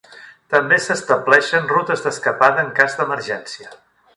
També s'estableixen rutes d'escapada en cas d'emergència.